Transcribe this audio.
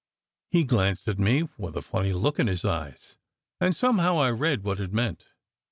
He glanced at me with a funny look in his eyes, and somehow I read what it meant.